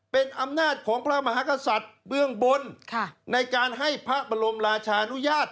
เป็นอำนาจของพระมหากษัตริย์เบื้องบนในการให้พระบรมราชานุญาต